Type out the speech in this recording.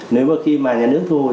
nếu mà khi mà nhà nước thu hồi